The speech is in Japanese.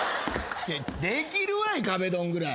できるわい壁ドンぐらい。